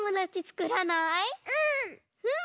うん！